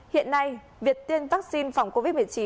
hiện nay việc tiêm vaccine phòng covid một mươi chín